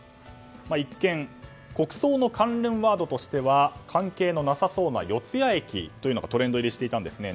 一見、国葬の関連ワードとしては関係のなさそうな四ツ谷駅というのがトレンド入りしていたんですね。